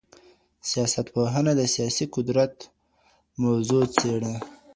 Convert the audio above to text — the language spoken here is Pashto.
سياستپوهنه د سياسي قدرت موضوع څېړي.